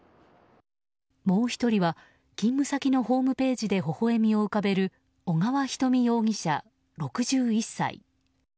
もう１人は勤務先のホームページでほほ笑みを浮かべる小河ひとみ容疑者、６１歳。